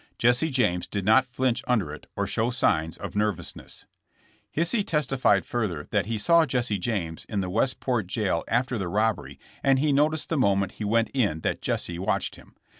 Jesse James did not flinch under it or show signs of nerv ousness. Hisey testified further that he saw Jesse James in the Westport jail after the robbery and he noticed the moment he went in that Jesse watched him.